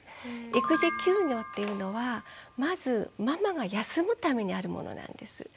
育児休業っていうのはまずママが休むためにあるものなんです。